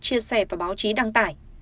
chia sẻ và báo chí đăng tải